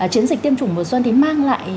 chiến dịch tiêm chủng mùa xuân thì mang lại